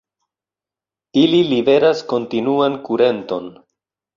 Ili liveras kontinuan kurenton.